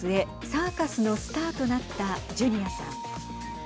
サーカスのスターとなったジュニアさん。